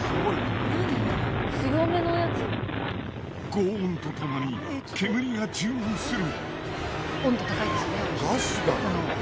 ごう音とともに煙が充満する。